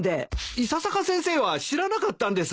伊佐坂先生は知らなかったんです。